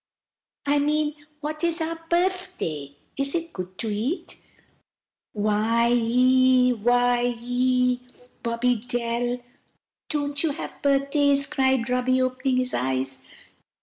"I mean, what is our birfday? Is it good to eat?" "Why! why ee! Bobby Bell! Don't you have birthdays?" cried Robby, opening his eyes.